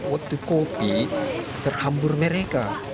waktu covid sembilan belas terhambur mereka